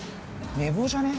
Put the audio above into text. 寝坊じゃね？